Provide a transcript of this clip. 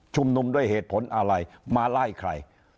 นุมด้วยเหตุผลอะไรมาไล่ใคร